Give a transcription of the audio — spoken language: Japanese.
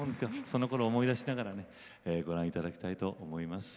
そのころを思い出しながらねご覧いただきたいと思います。